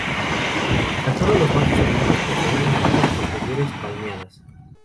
Tan solo los machos adultos poseen las patas posteriores palmeadas.